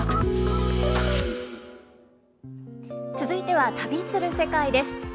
続いては「旅する世界」です。